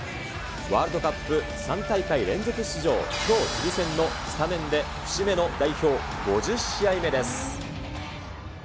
ワールドカップ３大会連続出場、きょう、チリ戦の初戦で節目の代表５０試合目です。